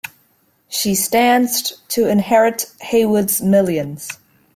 She stands to inherit Heywood's millions.